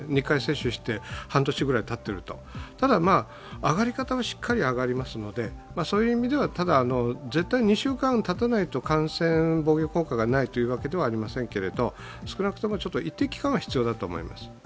２回接種をして半年ぐらいたってると、ただ、上がり方はしっかり上がりますのでそういう意味では、ただ、絶対２週間たたないと感染防御効果がないというわけではありませんが少なくとも一定期間は必要だと思います。